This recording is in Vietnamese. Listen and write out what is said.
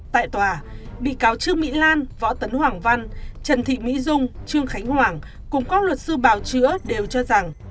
tại tòa bị cáo trương mỹ lan võ tấn hoàng văn trần thị mỹ dung trương khánh hoàng cùng các luật sư bào chữa đều cho rằng